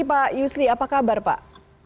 selamat pagi pak yusli apa kabar pak